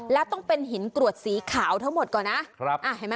และต้องเป็นหินกรวดสีขาวทั้งหมดก่อนนะ